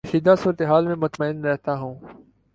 کشیدہ صورت حال میں مطمئن رہتا ہوں